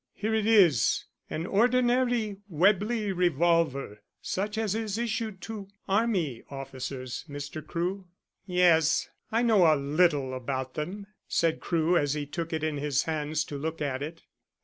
Here it is an ordinary Webley revolver such as is issued to army officers, Mr. Crewe." "Yes, I know a little about them," said Crewe, as he took it in his hands to look at it.